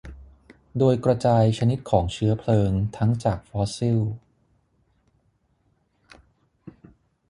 โดยกระจายชนิดของเชื้อเพลิงทั้งจากฟอสซิล